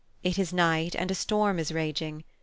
It is night, and a storm is raging.